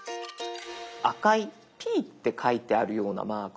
赤い「Ｐ」って書いてあるようなマーク。